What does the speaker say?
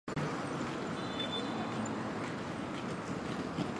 发声的原理是透过木板之间互相撞击而发声。